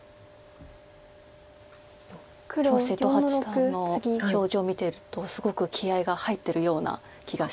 今日瀬戸八段の表情見ているとすごく気合いが入ってるような気がします。